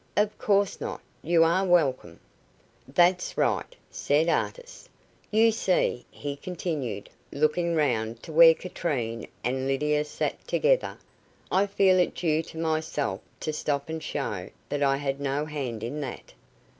"Of course not. You are welcome." "That's right," said Artis. "You see," he continued, looking round to where Katrine and Lydia sat together, "I feel it due to myself to stop and show that I had no hand in that."